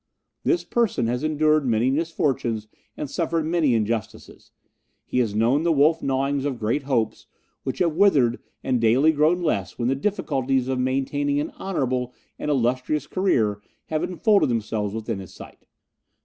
This person has endured many misfortunes and suffered many injustices; he has known the wolf gnawings of great hopes, which have withered and daily grown less when the difficulties of maintaining an honourable and illustrious career have unfolded themselves within his sight.